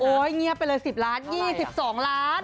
เงียบไปเลย๑๐ล้าน๒๒ล้าน